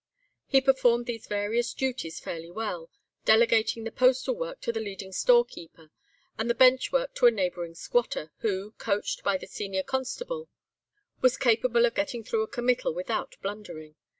He performed these various duties fairly well, delegating the Postal work to the leading storekeeper, and the Bench work to a neighbouring squatter, who, coached by the senior constable, was capable of getting through a committal without blundering.